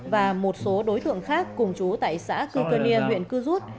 và một số đối tượng khác cùng chú tại xã cư cơ nia huyện cư rút